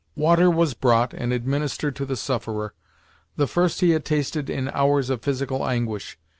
Water was brought and administered to the sufferer; the first he had tasted in hours of physical anguish.